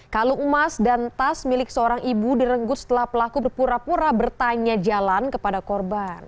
kalu emas dan tas milik seorang ibu direnggut setelah pelaku berpura pura bertanya jalan kepada korban